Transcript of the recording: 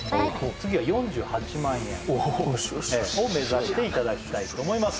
次は４８万円を目指していただきたいと思います